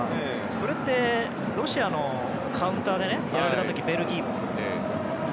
それってロシア大会のカウンターでやられた時ベルギー相手に。